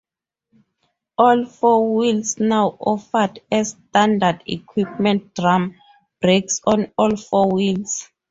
All four wheels now offered as standard equipment drum brakes on all four wheels.